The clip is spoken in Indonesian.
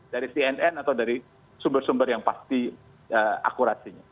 dari cnn atau dari sumber sumber yang pasti akurasinya